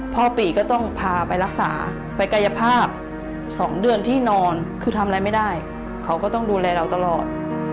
ปีก็ต้องพาไปรักษาไปกายภาพ๒เดือนที่นอนคือทำอะไรไม่ได้เขาก็ต้องดูแลเราตลอด